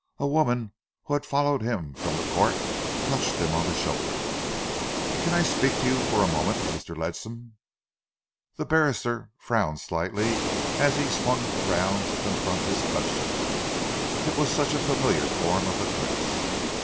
A woman who had followed him from the Court touched him on the shoulder. "Can I speak to you for a moment, Mr. Ledsam?" The barrister frowned slightly as he swung around to confront his questioner. It was such a familiar form of address.